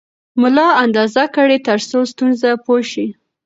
ملا اندازه کړئ ترڅو ستونزه پوه شئ.